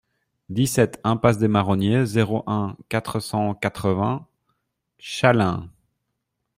dix-sept impasse des Marronniers, zéro un, quatre cent quatre-vingts Chaleins